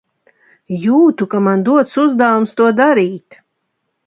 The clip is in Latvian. Jūtu, ka man dots uzdevums to darīt.